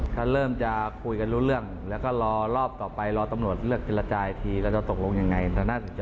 ถ้าเริ่มจะคุยกันรู้เรื่องแล้วก็รอรอบต่อไปรอตำหนด